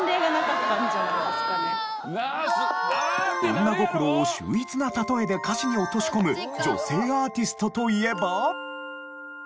女心を秀逸な例えで歌詞に落とし込む女性アーティストといえば。